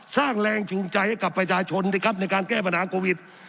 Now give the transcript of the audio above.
สร้างแรงจูงใจให้กับประชาชนสิครับในการแก้ปัญหาโควิด